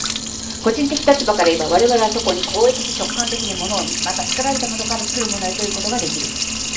個人的立場からいえば、我々はそこに行為的直観的に物を見、また作られたものから作るものへということができる。